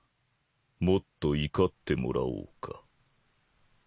もっと怒ってもらおうか。